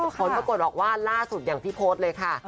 คนประกวดออกว่าล่าสุดอย่างพี่โพธิ์เลยค่ะ